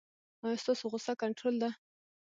ایا ستاسو غوسه کنټرول ده؟